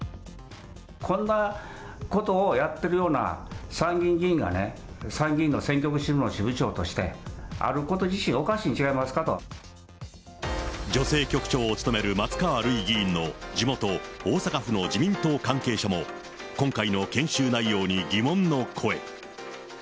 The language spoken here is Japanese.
こんなことをやってるような参議院議員がね、参議院の選挙区支部の支部長としてあること自身、女性局長を務める松川るい議員の地元大阪府の自民党関係者も、今回の研修内容に疑問の声。